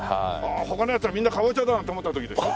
他のやつらみんなカボチャだって思った時でしょ？